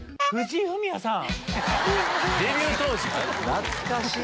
懐かしい！